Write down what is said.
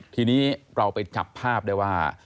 ทีนี้เราไปจับภาพได้ว่า